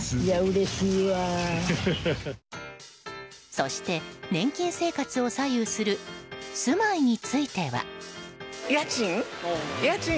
そして、年金生活を左右する住まいについては。